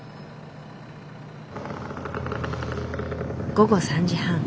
午後３時半。